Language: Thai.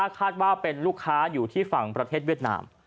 คาดว่าเป็นลูกค้าอยู่ที่ฝั่งประเทศเวียดนาม